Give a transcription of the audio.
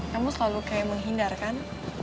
kamu selalu kayak menghindarkan